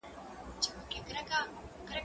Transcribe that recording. زه به نان خوړلی وي؟